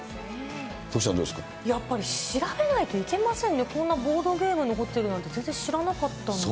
やっぱり調べないといけませんね、こんなボードゲームのホテルなんて全然知らなかったです。